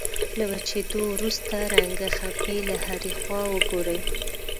له وچېدو وروسته رنګه خپې له هرې خوا وګورئ.